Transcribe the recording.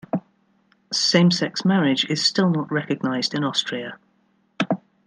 Same-sex marriage is still not recognized in Austria.